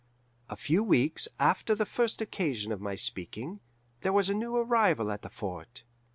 A few weeks after the first occasion of my speaking, there was a new arrival at the fort.